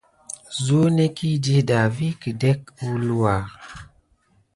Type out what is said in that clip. Zuneki diɗa vi kədek əwluwa.